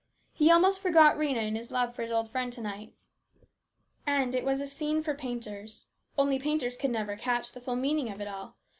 He almost forgot Rhena in his love for his old friend to night. And it was a scene for painters, only painters 268 HIS BROTHER'S KEEPER. never could catch the full meaning of it all.